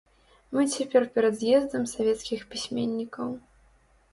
Мы цяпер перад з'ездам савецкіх пісьменнікаў.